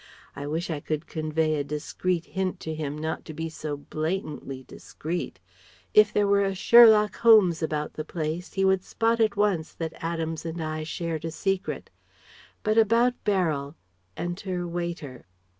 I wish I could convey a discreet hint to him not to be so blatantly discreet. If there were a Sherlock Holmes about the place he would spot at once that Adams and I shared a secret.... But about Beryl " (Enter waiter....)